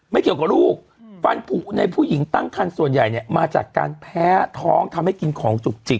ไม่เกี่ยวกับลูกฟันผูกในผู้หญิงตั้งคันส่วนใหญ่เนี่ยมาจากการแพ้ท้องทำให้กินของจุกจิก